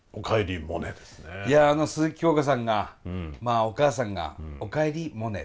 あの鈴木京香さんがまあお母さんが「おかえりモネ」。